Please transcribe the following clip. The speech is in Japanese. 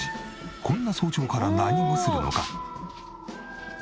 こんな早朝から何をするのか？